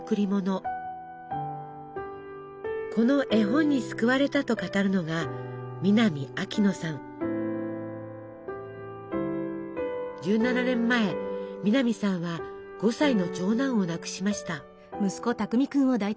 この絵本に救われたと語るのが１７年前南さんは５歳の長男を亡くしました。